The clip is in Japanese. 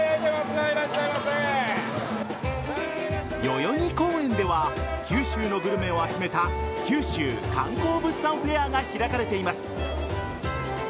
代々木公園では九州のグルメを集めた九州観光・物産フェアが開かれています。